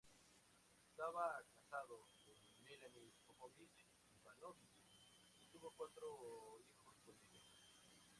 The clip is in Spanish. Estaba casado con Milena Popović Ivanović y tuvo cuatro hijos con ella.